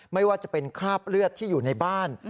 ไม่ว่าจะเป็นคราบเลือดที่อยู่ในบ้าน